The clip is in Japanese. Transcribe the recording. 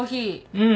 うん。